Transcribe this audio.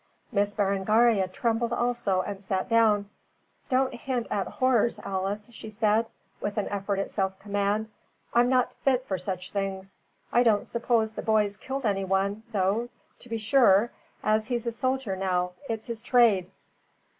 Miss Berengaria trembled also and sat down. "Don't hint at horrors, Alice," she said, with an effort at self command. "I'm not fit for such things. I don't suppose the boy's killed anyone though, to be sure, as he's a soldier now, it's his trade."